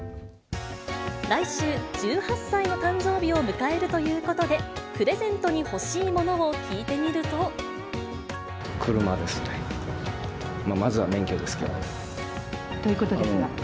来週、１８歳の誕生日を迎えるということで、プレゼントに欲しいものを車ですね。ということですが。